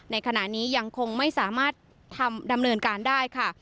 ในขณะนี้ยังคงไม่สามารถทำดำเนินการได้ค่ะ